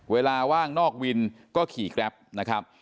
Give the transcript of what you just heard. ว่างนอกวินก็ขี่แกรปนะครับ